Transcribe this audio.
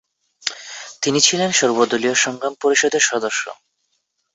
তিনি ছিলেন সর্বদলীয় সংগ্রাম পরিষদের সদস্য।